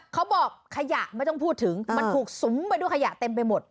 เขาบอกขยะไม่ต้องพูดถึงมันถูกสุมไปด้วยขยะเต็มไปหมด